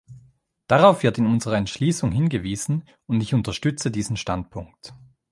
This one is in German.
Darauf wird in unserer Entschließung hingewiesen, und ich unterstütze diesen Standpunkt.